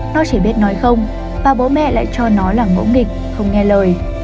nó chỉ biết nói không và bố mẹ lại cho nó là ngẫu nghịch không nghe lời